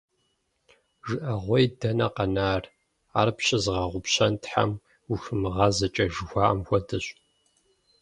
ЖыӀэгъуей дэнэ къэна, ар пщызыгъэгъупщэн Тхьэм ухуимыгъазэкӀэ жыхуаӀэм хуэдэщ.